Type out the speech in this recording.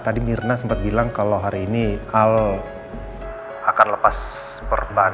tadi mirna sempat bilang kalau hari ini al akan lepas perbankan